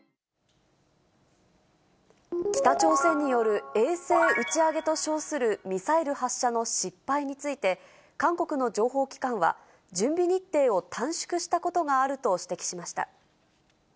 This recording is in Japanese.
北朝鮮による衛星打ち上げと称するミサイル発射の失敗について、韓国の情報機関は、準備日程を短縮したことがあると指摘しました。